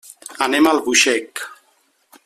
Anem a Albuixec.